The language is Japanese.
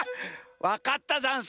わかったざんす。